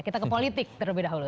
kita ke politik terlebih dahulu